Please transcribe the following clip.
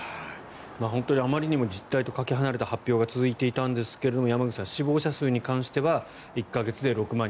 本当にあまりにも実態とかけ離れた発表が続いていたんですが山口さん、死亡者数に関しては１か月で６万人。